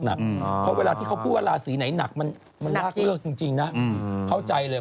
เพราะเวลาที่เขาพูดว่าราศีไหนหนักมันลากเลิกจริงนะเข้าใจเลย